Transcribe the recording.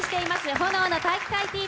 「炎の体育会ＴＶ」。